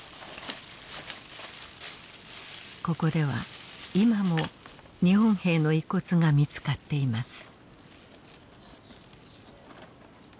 ここでは今も日本兵の遺骨が見つかっています。